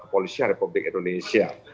kepolisian republik indonesia